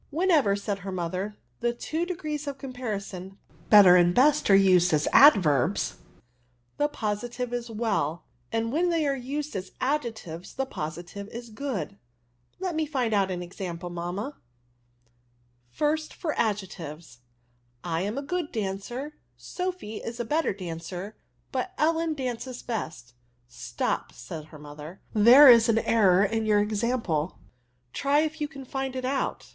Whenever," said her mother, the two degrees of comparison, better and best, are used as adverbs, the positive is well; and when they axe used as adjectives, the positive is good,^* " Let me find out an example, mamma; 84* ADVERBS. fiisty for adjectiyes —* I am a good danced) Sophy is a bett^ dancer, but Ell^i dances best.'" *' Stop,'* said ber mother ;there is an error in your example : tij if you can find it out."